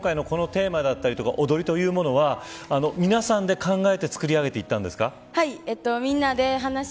栗山さん、今回のテーマだったり踊りというのは皆さんで考えて作り上げたんですか。